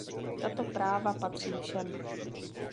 Tato práva patří všem.